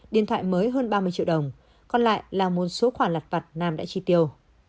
điện thoại mới hơn ba mươi triệu đồng còn lại là một số khoản lật vật nam đã chi tiêu